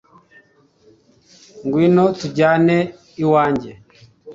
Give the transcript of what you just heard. Ngwino tujyane iwanjye